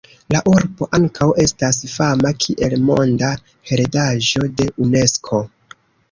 La urbo ankaŭ estas fama kiel Monda heredaĵo de Unesko.